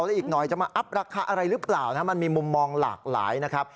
และอีกหน่อยจะมาอัพราคาอะไรหรือเปล่านะมันมีมุมมองหลากหลายนะครับ